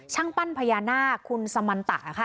ปั้นพญานาคคุณสมันตะค่ะ